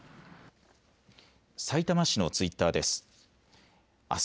さいたま市のツイッターです。